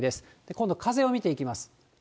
今度、風を見ていきます。